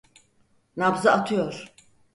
Nabzı atıyor.